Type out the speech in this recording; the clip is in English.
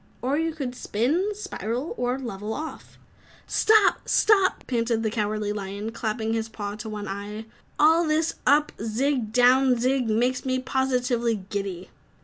"Or you could 'spin,' 'spiral' or 'level off' " "Stop! Stop!" panted the Cowardly Lion, clapping his paw to one eye, "all this up zig and down zig makes me positively giddy!"